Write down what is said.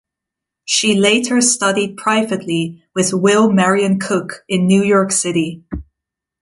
She later studied privately with Will Marion Cook in New York City.